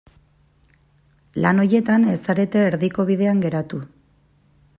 Lan horietan ez zarete erdiko bidean geratu.